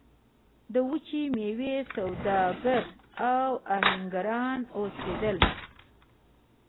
د وچې میوې سوداګر او اهنګران اوسېدل.